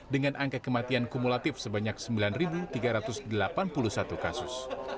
dengan angka kematian kumulatif sebanyak sembilan tiga ratus delapan puluh satu kasus